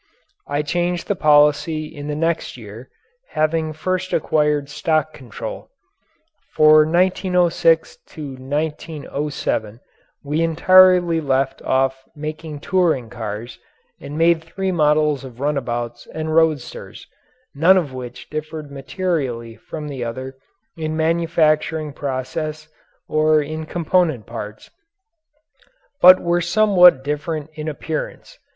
I changed the policy in the next year having first acquired stock control. For 1906 1907 we entirely left off making touring cars and made three models of runabouts and roadsters, none of which differed materially from the other in manufacturing process or in component parts, but were somewhat different in appearance.